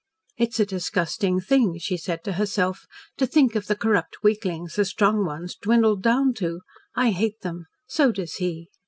"It's a disgusting thing," she said to herself, "to think of the corrupt weaklings the strong ones dwindled down to. I hate them. So does he."